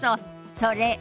それ。